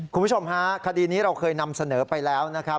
คุณผู้ชมฮะคดีนี้เราเคยนำเสนอไปแล้วนะครับ